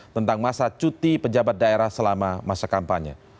tentang masa cuti pejabat daerah selama masa kampanye